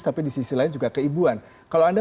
tapi di sisi lain juga keibuan kalau anda